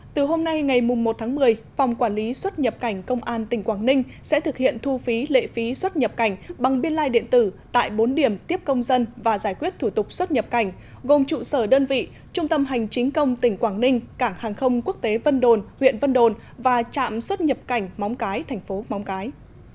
từ hôm nay ngày một tháng một mươi phòng quản lý xuất nhập cảnh công an tỉnh quảng ninh sẽ thực hiện thu phí lệ phí xuất nhập cảnh bằng biên lai điện tử tại bốn điểm tiếp công dân và giải quyết thủ tục xuất nhập cảnh gồm trụ sở đơn vị trung tâm hành chính công tỉnh quảng ninh cảng hàng không quốc tế vân đồn huyện vân đồn và trạm xuất nhập cảnh móng cái thành phố móng cái